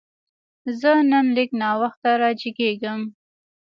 زه نن لږ ناوخته راجیګیږم